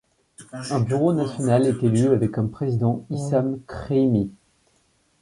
Un bureau national est élu, avec comme président Issam Krimi.